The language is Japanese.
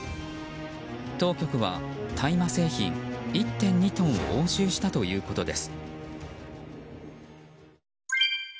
当局は大麻製品１．２トンを押収したということです。